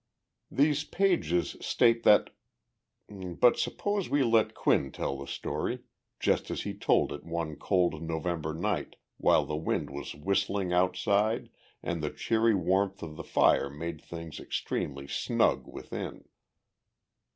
These pages state that.... But suppose we let Quinn tell the story, just as he told it one cold November night while the wind was whistling outside and the cheery warmth of the fire made things extremely snug within.